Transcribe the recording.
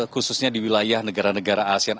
khususnya di wilayah negara negara asean